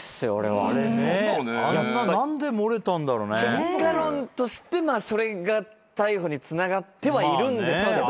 結果論としてそれが逮捕につながってはいるんですけど。